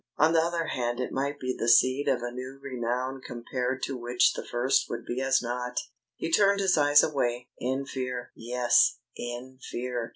On the other hand it might be the seed of a new renown compared to which the first would be as naught! He turned his eyes away, in fear yes, in fear!